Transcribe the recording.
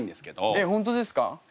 えっ本当ですか？